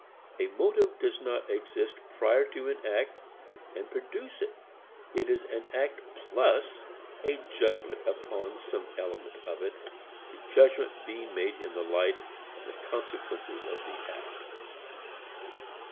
A motive does not exist prior to an act and produce it. It is an act plus a judgment upon some element of it, the judgment being made in the light of the consequences of the act.